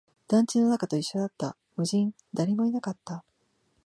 団地の中と一緒だった、無人、誰もいなかった